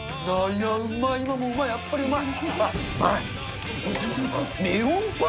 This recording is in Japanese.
今もうまい、やっぱりうまい。